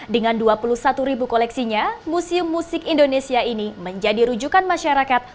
dengan dua puluh satu ribu koleksinya museum musik indonesia ini menjadi rujukan masyarakat